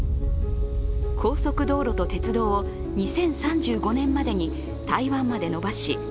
高速道路と鉄道を２０３５年までに台湾まで延ばし